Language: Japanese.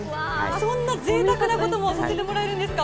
そんなぜいたくなこともさせてもらえるんですか！